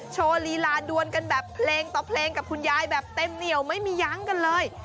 โชว์ลีลาดวนกันแบบเพลงต่อเพลงกับคุณยายแบบเต็มเหนียวไม่มียั้งกันเลย